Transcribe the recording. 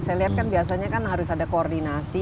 saya lihat kan biasanya kan harus ada koordinasi